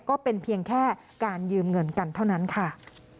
ก็เป็นเพียงแค่การยืมเงินกันเท่านั้นค่ะ